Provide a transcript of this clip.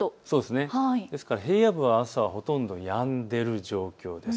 ですから平野部は朝、ほとんどやんでいる状況です。